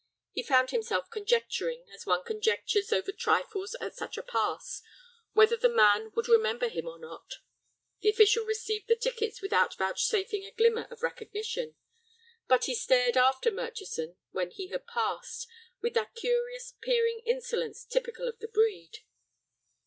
He found himself conjecturing, as one conjectures over trifles at such a pass, whether the man would remember him or not. The official received the tickets without vouchsafing a glimmer of recognition. But he stared after Murchison when he had passed, with that curious, peering insolence typical of the breed.